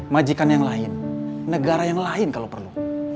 majikan yang lain negara yang lain kalau perlu